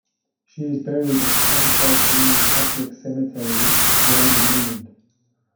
She is buried at Kensal Green Catholic Cemetery, London, England.